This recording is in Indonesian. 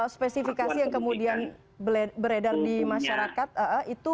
spesifikasi yang kemudian beredar di masyarakat itu